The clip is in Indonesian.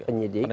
penegak hukum ya